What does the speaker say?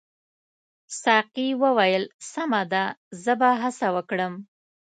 ساقي وویل سمه ده زه به هڅه وکړم.